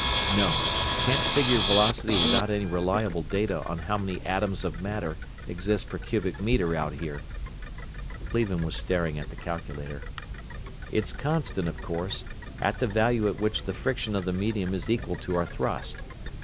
"No, can't figure velocity without any reliable data on how many atoms of matter exist per cubic meter out here." Cleveland was staring at the calculator. "It's constant, of course, at the value at which the friction of the medium is equal to our thrust.